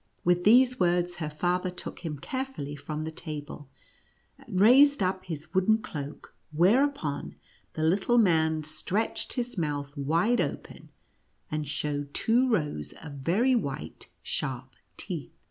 With these words her father took him carefully from the table, and raised up his wooden cloak, whereupon the little man stretched his mouth wide ojDen, and showed two rows of very white sharp teeth.